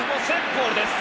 ボールです。